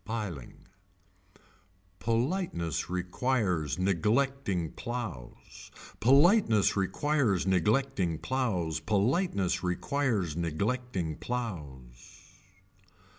Piling. Politeness requires Neglecting plows. Politeness requires neglecting plows. Politeness requires neglecting plows.